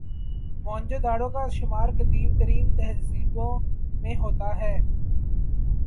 موئن جو دڑو کا شمار قدیم ترین تہذیبوں میں ہوتا ہے